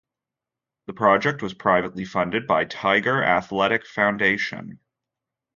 The project was privately funded by Tiger Athletic Foundation.